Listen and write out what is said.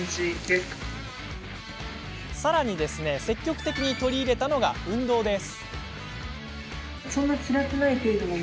さらに積極的に取り入れたのが運動です。